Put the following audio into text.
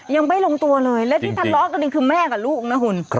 ยังไม่ลงตัวเลยและที่ทะเลาะกันนี่คือแม่กับลูกนะคุณ